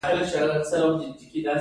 دوی باید دا حقوق د ځان لپاره محقق کړي.